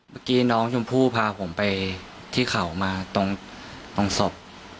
เมื่อกี้น้องชมพู่พาผมไปที่เขามาตรงศพ